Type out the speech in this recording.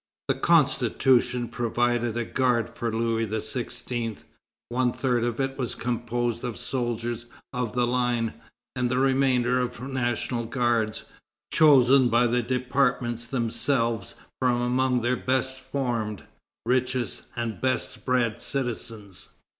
The Constitution provided a guard for Louis XVI. One third of it was composed of soldiers of the line, and the remainder of National Guards, chosen by the Departments themselves from among their best formed, richest, and best bred citizens.